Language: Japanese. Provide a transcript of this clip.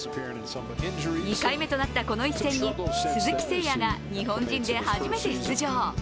２回目となったこの一戦に鈴木誠也が日本人で初めて出場。